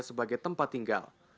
sebagai tempat tinggal